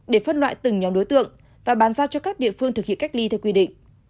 để phân loại từng nhóm đối tượng và bàn giao cho các địa phương thực hiện cách ly theo quy định